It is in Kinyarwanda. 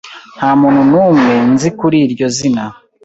Nta muntu n'umwe nzi kuri iryo zina.